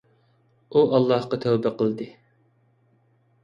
ئۇ ئاللاھقا تەۋبە قىلدى.